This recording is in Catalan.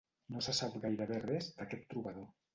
No se sap gairebé res d'aquest trobador.